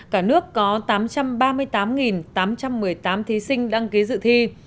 cả nước có tám trăm ba mươi tám tám trăm một mươi tám thí sinh đăng ký dự thi